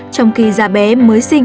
trong khi da bé mới sinh